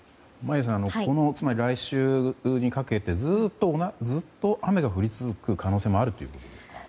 眞家さん、来週にかけてずっと雨が降り続く可能性もあるということですか？